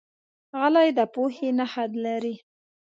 غلی، د پوهې نښه لري.